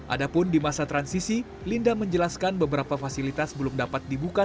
adapun di masa transisi linda menjelaskan beberapa fasilitas belum dapat dibuka